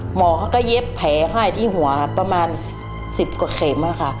หมอก็เย็บแผลให้ที่หัวประมาณ๑๐เคม